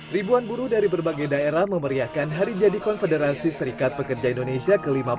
ribuan buruh dari berbagai daerah memeriahkan hari jadi konfederasi serikat pekerja indonesia ke lima puluh